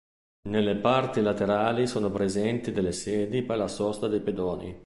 Nelle parti laterali sono presenti delle sedi per la sosta dei pedoni.